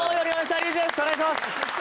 お願いします